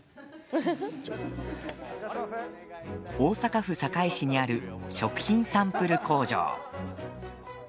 大阪府堺市にある食品サンプル工場。